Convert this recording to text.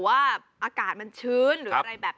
แก้ปัญหาผมร่วงล้านบาท